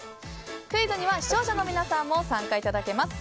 クイズには視聴者の皆さんも参加いただけます。